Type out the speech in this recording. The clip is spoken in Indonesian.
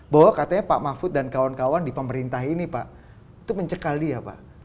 bahwa katanya pak mahfud dan kawan kawan di pemerintah ini pak itu mencekal dia pak